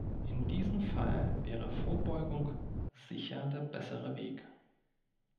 In diesem Fall wäre Vorbeugung sicher der bessere Weg.